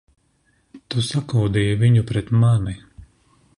Tu sakūdīji viņu pret mani!